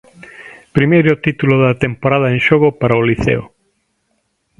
Primeiro título da temporada en xogo para o Liceo.